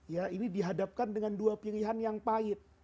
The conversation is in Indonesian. ya ini dihadapkan dengan dua pilihan yang pahit